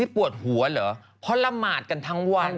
พอละหมาดกันทั้งวัน